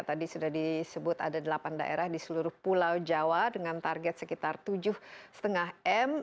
tadi sudah disebut ada delapan daerah di seluruh pulau jawa dengan target sekitar tujuh lima m